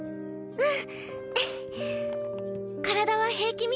うん。